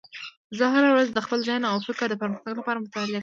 زه هره ورځ د خپل ذهن او فکر د پرمختګ لپاره مطالعه کوم